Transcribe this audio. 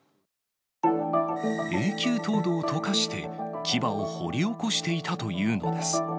永久凍土をとかして、牙を掘り起こしていたというのです。